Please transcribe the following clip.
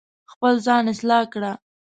خپل ځان اصلاح کړه